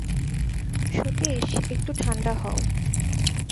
সতীশ, একটু ঠাণ্ডা হও।